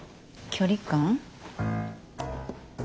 距離感。